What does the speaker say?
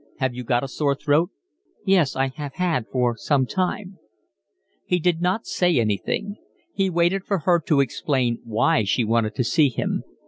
"Have you got a sore throat?" "Yes, I have had for some time." He did not say anything. He waited for her to explain why she wanted to see him.